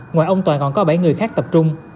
ngoài ông toàn còn có bảy người khác tập trung